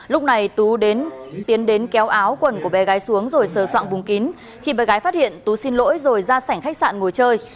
lúc này tú đến tiến đến kéo áo quần của bé gái xuống rồi sờ soạn bùng kín khi bé gái phát hiện tú xin lỗi rồi ra sảnh khách sạn ngồi chơi